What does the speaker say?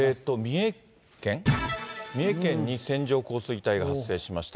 三重県、三重県に線状降水帯が発生しました。